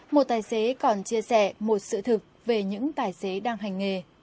một tài xế còn chia sẻ một sự thực về những tài xế đang hành nghề